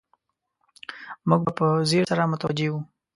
موږ به په ځیر سره متوجه وو.